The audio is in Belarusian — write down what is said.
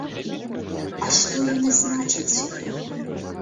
А што яны значаць?